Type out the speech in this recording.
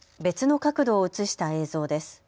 別の角度を映した映像です。